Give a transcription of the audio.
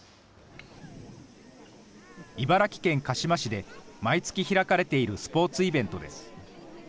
茨城県鹿嶋市で毎月開かれているスポーツイベントです。